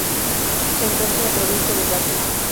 Se encuentra en la provincia de Batna.